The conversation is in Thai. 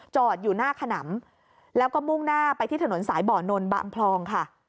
จอดอยู่หน้าขนำแล้วก็มุ่งหน้าไปที่ถนนสายบ่อนนทบางพลองค่ะ